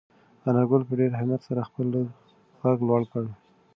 انارګل په ډېر همت سره خپل غږ لوړ کړ.